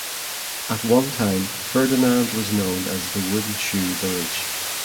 At one time Ferdinand was known as the wooden shoe village.